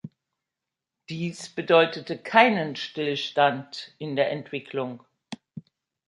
Dies bedeutete keinen Stillstand in der Entwicklung.